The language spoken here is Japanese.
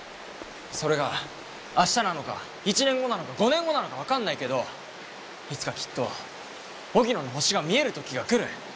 それが明日なのか１年後なのか５年後なのか分かんないけどいつかきっと荻野の星が見える時が来る。